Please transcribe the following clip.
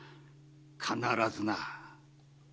必ずな。